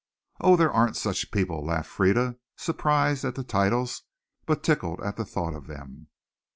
"Oh, there aren't such people," laughed Frieda, surprised at the titles but tickled at the thought of them.